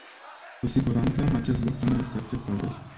Cu siguranță, acest lucru nu este acceptabil.